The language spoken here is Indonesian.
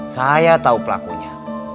saya tahu pelakunya